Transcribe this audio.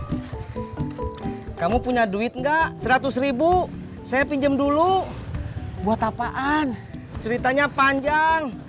hai kamu punya duit enggak seratus saya pinjem dulu buat apaan ceritanya panjang